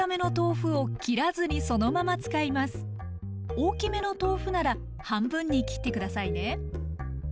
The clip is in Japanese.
大きめの豆腐なら半分に切って下さいね。